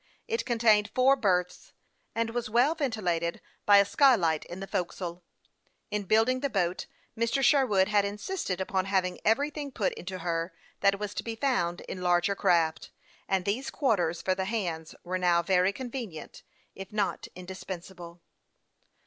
It contained four berths, and was well ventilated by a skylight in the forecastle. In building the boat, Mr. Sherwood had insisted upon having everything put into her that was to be found in larger craft ; and these quarters for the hands were now very convenient, if not indis pensable.